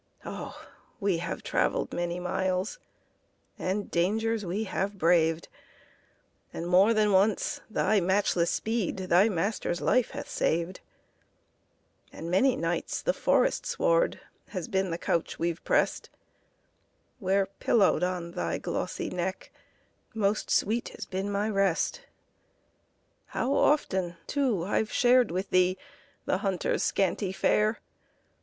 Oh! we have travelled many miles, And dangers have we braved; And more than once thy matchless speed Thy master's life hath saved; And many nights the forest sward Has been the couch we've pressed, Where, pillowed on thy glossy neck, Most sweet has been my rest. How often, too, I we shared with thee The hunter's scanty fare.